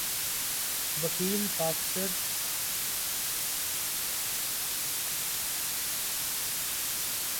وکیل boxer wedding planner قاتل خاتون کا چڑیلز گینگ